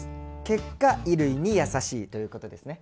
結果衣類にやさしいということですね。